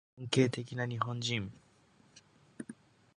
典型的な日本人